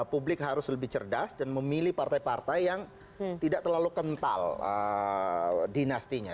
publik harus lebih cerdas dan memilih partai partai yang tidak terlalu kental dinastinya